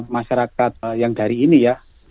masyarakat yang dari ini ya